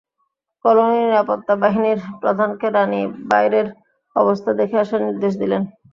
কলোনির নিরাপত্তা বাহিনীর প্রধানকে রানি বাইরের অবস্থা দেখে আসার নির্দেশ দিলেন।